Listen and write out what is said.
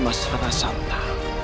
mas rata santa